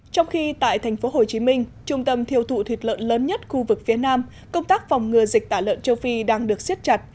trong khi tại thành phố hồ chí minh trung tâm thiêu thụ thuyệt lợn lớn nhất khu vực phía nam công tác phòng ngừa dịch tả lợn châu phi đang được siết chặt